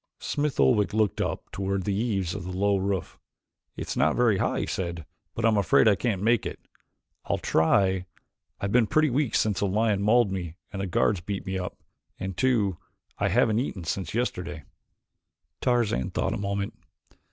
Smith Oldwick looked up toward the eaves of the low roof. "It's not very high," he said, "but I am afraid I can't make it. I'll try I've been pretty weak since a lion mauled me and the guards beat me up, and too, I haven't eaten since yesterday." Tarzan thought a moment.